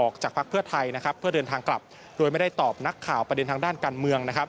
เข้าท่านกลับโดยไม่ได้ตอบนักข่าวประเด็นทางด้านการเมือง